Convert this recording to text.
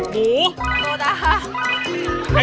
หมูโต๊ะหา